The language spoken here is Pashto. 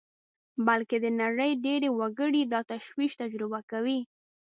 بلکې د نړۍ ډېری وګړي دا تشویش تجربه کوي